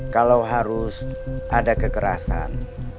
kalau harus ada kekerasan